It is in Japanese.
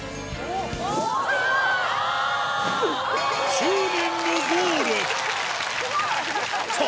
執念のゴールさぁ